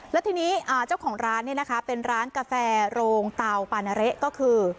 แล้วทีนี้เจ้าของร้านเนี่ยนะคะเป็นร้านกาแฟโรงเตาปานาเละก็คือ